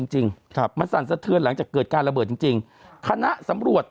จริงครับมันสั่นสะเทือนหลังจากเกิดการระเบิดจริงจริงคณะสำรวจ